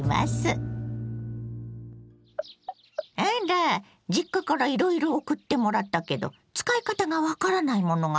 あら実家からいろいろ送ってもらったけど使い方が分からないものがあるって？